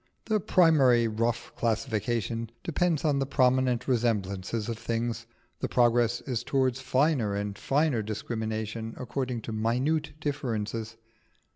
The primary rough classification depends on the prominent resemblances of things: the progress is towards finer and finer discrimination according to minute differences.